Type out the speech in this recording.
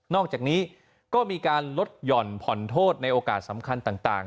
อกจากนี้ก็มีการลดหย่อนผ่อนโทษในโอกาสสำคัญต่าง